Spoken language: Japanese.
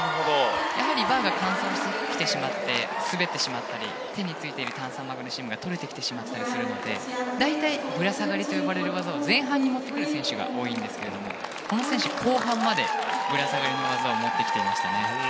やはりバーが乾燥してきてしまって滑ってしまったり手についてる炭酸マグネシウムが取れてしまったりするので大体、ぶら下がりという技を前半に持ってくる選手が多いんですけどこの選手は後半までぶら下がりの技を持ってきていました。